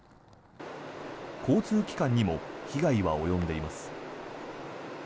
交通機関にも被害は及んでいます。